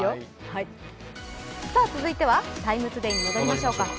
続いては「ＴＩＭＥ，ＴＯＤＡＹ」に戻りましょうか。